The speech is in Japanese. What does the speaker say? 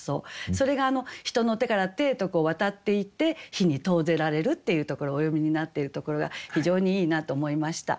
それが人の手から手へと渡っていって火に投ぜられるっていうところをお詠みになっているところが非常にいいなと思いました。